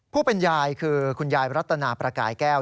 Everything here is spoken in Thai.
ผู้เป็นยายคือคุณยายรัตนาประกายแก้ว